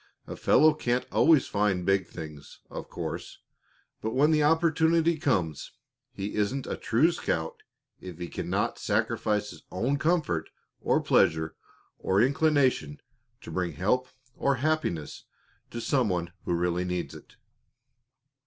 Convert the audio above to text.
A fellow can't always find big things, of course; but when the opportunity comes, he isn't a true scout if he cannot sacrifice his own comfort or pleasure or inclination to bring help or happiness to some one who really needs it."